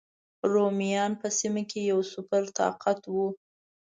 رومیان په سیمه کې یو سوپر طاقت و.